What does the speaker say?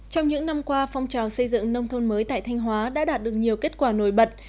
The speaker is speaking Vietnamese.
trong những năm qua phong trào xây dựng nông thôn mới tại thanh hóa đã đạt được nhiều kết quả nổi bật